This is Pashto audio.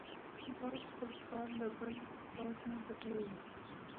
باز خپل ښکار له بل باز نه پټوي